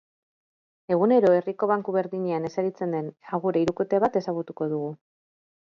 Egunero herriko banku berdinean eseritzen den agure hirukote bat ezagutuko du.